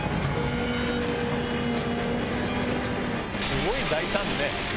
すごい大胆ね。